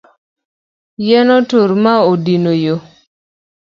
Yien otur ma odino yoo